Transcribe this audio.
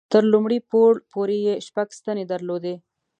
تر لومړي پوړ پورې یې شپږ ستنې درلودې.